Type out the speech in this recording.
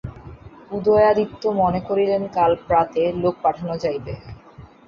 উদয়াদিত্য মনে করিলেন কাল প্রাতে লোক পাঠানো যাইবে।